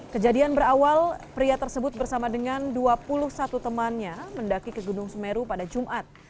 kejadian berawal pria tersebut bersama dengan dua puluh satu temannya mendaki ke gunung semeru pada jumat